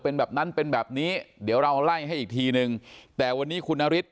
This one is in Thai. เป็นแบบนั้นเป็นแบบนี้เดี๋ยวเราไล่ให้อีกทีนึงแต่วันนี้คุณนฤทธ